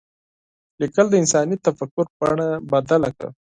لیکل د انساني تفکر بڼه بدله کړه.